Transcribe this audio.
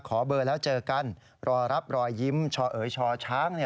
ขอเบอร์แล้วเจอกันรอรับรอยยิ้มชอเอ๋ยชอช้าง